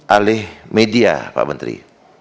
alih media pak menteri